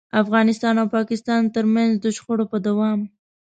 افغانستان او پاکستان ترمنځ د شخړو په دوام.